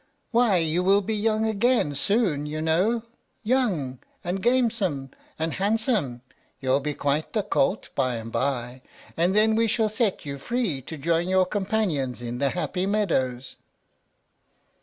"Why, you will be young again soon, you know, young, and gamesome, and handsome; you'll be quite a colt, by and by, and then we shall set you free to join your companions in the happy meadows."